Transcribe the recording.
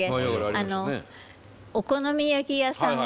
お好み焼き屋さんが。